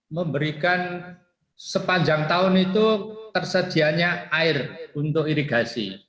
memberikan sepanjang tahun itu tersedianya air untuk irigasi